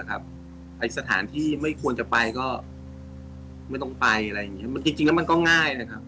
ไปสถานที่ไม่ควรจะไปก็ไม่ต้องไปจริงแล้วมันก็ง่ายนะครับ